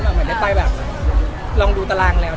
เหมือนได้ไปแบบลองดูตารางแล้ว